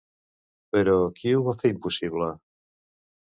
Però, qui ho va fer impossible?